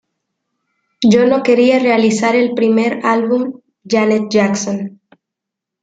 Yo no quería realizar el primer álbum, "Janet Jackson".